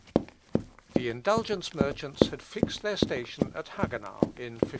The indulgence merchants had fixed their station at Hagenau in 1517.